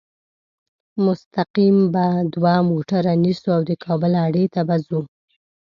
مستقیم به دوه موټره نیسو او د کابل اډې ته به ځو.